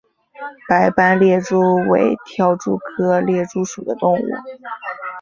白斑猎蛛为跳蛛科猎蛛属的动物。